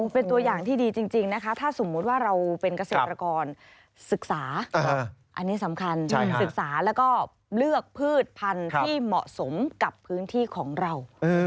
เป็นตัวอย่างที่ดีจริงนะคะถ้าสมมุติว่าเราเป็นเกษตรกรศึกษาอันนี้สำคัญศึกษาแล้วก็เลือกพืชพันธุ์ที่เหมาะสมกับพื้นที่ของเรา